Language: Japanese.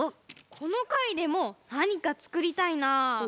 このかいでもなにかつくりたいな。